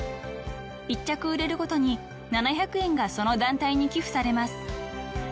［１着売れるごとに７００円がその団体に寄付されます］